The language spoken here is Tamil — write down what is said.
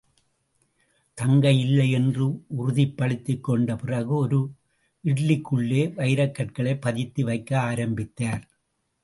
தங்கை இல்லை என்று உறுதிப்படுத்திக்கொண்ட பிறகு, ஒரு இட்லிக்குள்ளே வைரக்கற்களைப் பதித்து வைக்க ஆரம்பித்தார்.